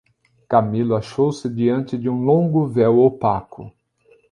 Camilo achou-se diante de um longo véu opaco...